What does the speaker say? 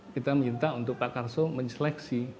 kita minta untuk pak karso menseleksi